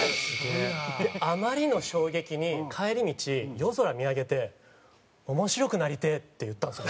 あまりの衝撃に帰り道夜空見上げて「面白くなりてえ」って言ったんですよ